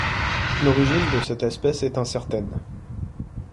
L'origine de cette espèce est incertaine.